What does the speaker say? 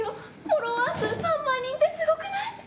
フォロワー数３万人ってすごくない！？